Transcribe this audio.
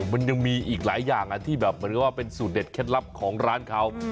มันยังมีอีกหลายอย่างที่แบบเหมือนว่าเป็นสูตรเด็ดเคล็ดลับของร้านเขา